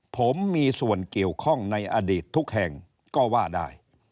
ผมมีส่วนเกี่ยวข้องในอดีตทุกแห่งก็ว่าได้